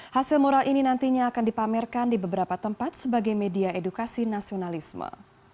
hasil mural ini nantinya akan dipamerkan di beberapa tempat sebagai media edukasi nasionalisme